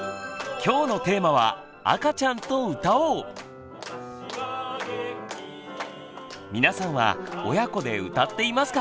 今日のテーマは皆さんは親子で歌っていますか？